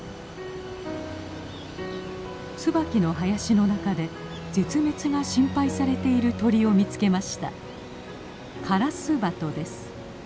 ツバキの林の中で絶滅が心配されている鳥を見つけました。